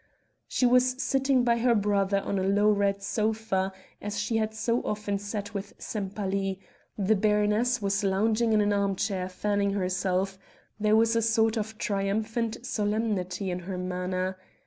She was sitting by her brother on a low red sofa, as she had so often sat with Sempaly; the baroness was lounging in an arm chair fanning herself; there was a sort of triumphant solemnity in her manner.